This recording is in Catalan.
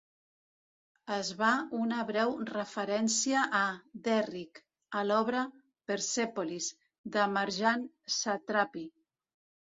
Es va una breu referència a "Derrick" a l'obra "Persepolis" de Marjane Satrapi.